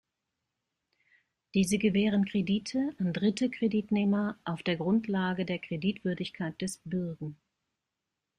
Diese gewähren Kredite an dritte Kreditnehmer auf der Grundlage der Kreditwürdigkeit des Bürgen.